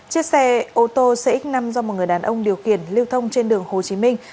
chiếc xe ô tô cx năm do một người đàn ông điều khiển lưu thông trên đường hồ chí minh